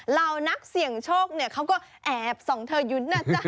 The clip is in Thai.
เหล้านักเสี่ยงโชคเขาก็แอบส่องเธอยุ้นน่ะจ๊ะ